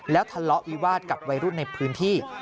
แล้วทะเลาะวิวาสกับวัยรุ่นในพื้นที่